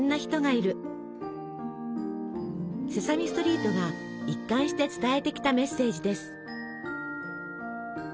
「セサミストリート」が一貫して伝えてきたメッセージです。